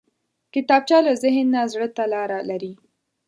کتابچه له ذهن نه زړه ته لاره لري